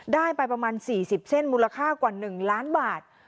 ได้ไปประมาณ๔๐เส้นมูลค่ากว่า๑ล้านบาท